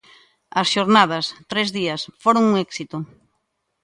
As xornadas, tres días, foran un éxito.